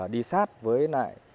đi sát với